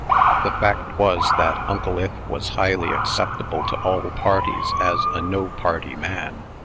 The fact was, that Uncle Ith was highly acceptable to all parties as a no party man.